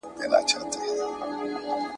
ړنګول مي معبدونه هغه نه یم ,